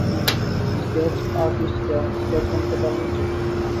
Sketch আর্টিস্টটা sketch বানাতে পারেনি ঠিকমতো।